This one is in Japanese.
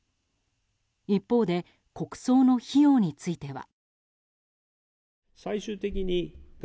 一方で国葬の費用については。